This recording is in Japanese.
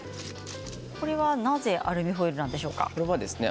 これはなぜアルミホイルなんでしょうか。